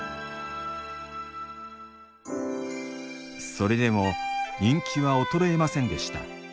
それでも人気は衰えませんでした。